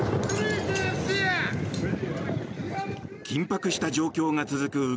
緊迫した状況が続く